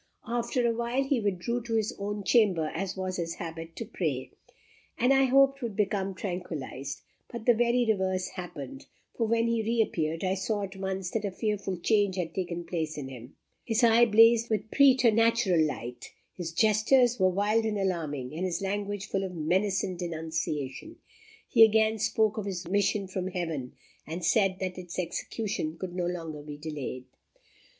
After awhile, he withdrew to his own chamber, as was his habit, to pray, and I hoped would become tranquillized; but the very reverse happened, for when he reappeared, I saw at once that a fearful change had taken place in him. His eye blazed with preternatural light, his gestures were wild and alarming, and his language full of menace and denunciation. He again spoke of his mission from Heaven, and said that its execution could no longer be delayed."